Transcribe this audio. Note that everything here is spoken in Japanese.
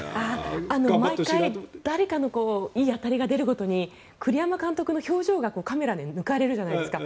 毎回、誰かのいい当たりが出るごとに栗山監督の表情がカメラに抜かれているじゃないですか。